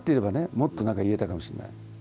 もっと何か言えたかもしれない。